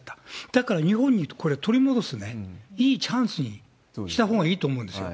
だから日本にこれ、取り戻すいいチャンスにしたほうがいいと思うんですよ。